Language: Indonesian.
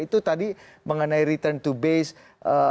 itu tadi mengenai return to base